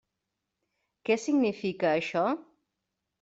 Què significa això?